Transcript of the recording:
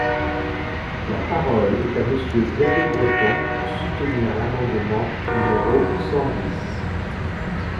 La parole est à Monsieur Xavier Breton, pour soutenir l’amendement numéro cent dix.